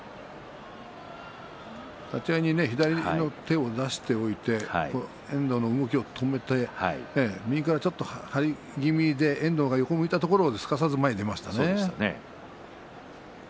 立ち合いに左の手を出しておいて遠藤の動きを止めて右からちょっと張り気味で遠藤が横を向いたところをすかさず前に出ましたね。